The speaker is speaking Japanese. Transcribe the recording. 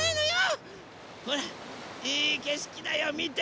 ほらいいけしきだよみて！